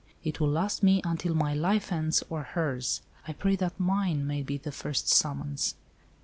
It will last me until my life ends or hers. I pray that mine may be the first summons."